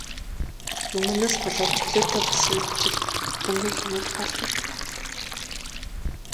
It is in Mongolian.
Мөнгөнөөс чөлөөтэй болсон нөхцөлд мөнгийг хянаж болно.